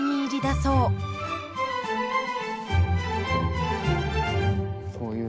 こういう。